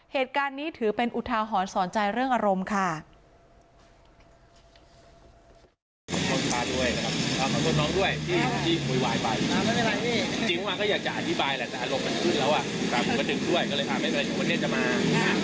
เหตุการณ์นี้ถือเป็นอุทาหรณ์สอนใจเรื่องอารมณ์ค่ะ